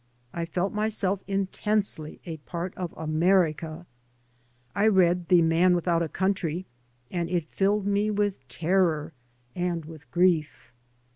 I felt myself in tensely a part of America. I read " The Man Without a Country," and it filled me with terror and with grief.